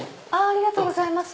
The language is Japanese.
ありがとうございます。